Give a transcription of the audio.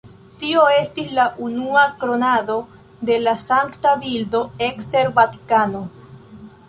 Tio estis la unua kronado de la sankta bildo ekster Vatikano.